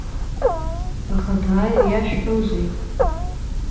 Аха дааир иашәҳәозеи?